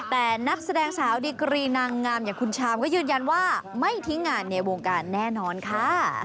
แต่นักแสดงสาวดีกรีนางงามอย่างคุณชามก็ยืนยันว่าไม่ทิ้งงานในวงการแน่นอนค่ะ